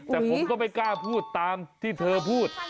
แต่ผมก็ไม่กล้าพูดตามที่เธอพูด